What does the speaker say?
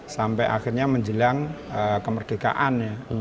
sampai akhirnya menjelang kemerdekaan